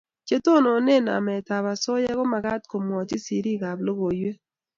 Che tonone namet ab asoya ko makat ko mwachi sirik ab logoywek